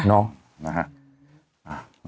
เนาะนะฮะ